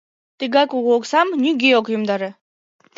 — Тыгай кугу оксам нигӧ ок йомдаре...